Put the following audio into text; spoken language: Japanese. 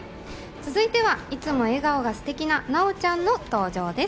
続いては、いつも笑顔がステキななおちゃんの登場です。